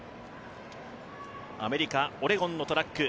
アメリカ、オレゴンのトラック。